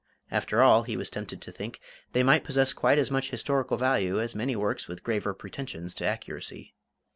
After all, he was tempted to think, they might possess quite as much historical value as many works with graver pretentions to accuracy.